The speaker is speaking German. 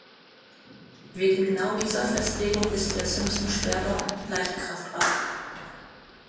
Wegen genau dieser Festlegung ist der Simson Sperber ein Leichtkraftrad.